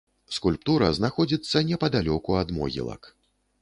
Скульптура знаходзіцца непадалёку ад могілак.